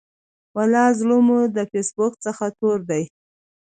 ولا زړه مو د فیسبوک څخه تور دی.